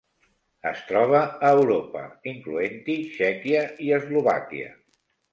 Es troba a Europa, incloent-hi Txèquia i Eslovàquia.